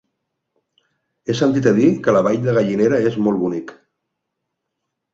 He sentit a dir que la Vall de Gallinera és molt bonic.